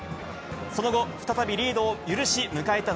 その後、再びリードを許し迎えた